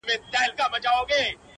لېري لېري له دې نورو څه او سېږي,